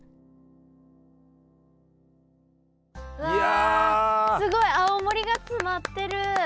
うわすごい青森が詰まってる！